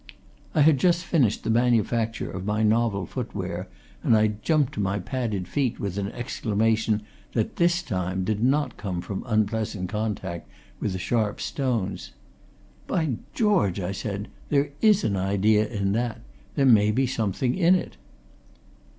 I had just finished the manufacture of my novel foot wear, and I jumped to my padded feet with an exclamation that this time did not come from unpleasant contact with the sharp stones. "By George!" I said. "There is an idea in that! there may be something in it!"